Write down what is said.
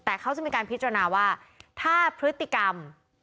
แต่เขาจะมีการพิจารณาว่าถ้าพฤติกรรม